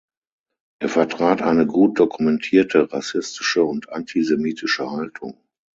Er vertrat eine gut dokumentierte rassistische und antisemitische Haltung.